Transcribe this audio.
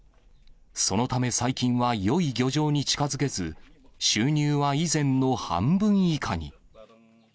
そのため最近はよい漁場に近づけず、収入は以前の半分以下に。